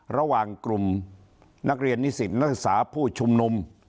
ระหว่างกลุ่มนักเรียนนิสิตนักศึกษาผู้ชุมนุม